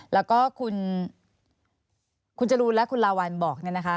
แล้วก็คุณจรูนและคุณลาวัลบอกเนี่ยนะคะ